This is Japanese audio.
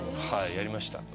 はいやりました。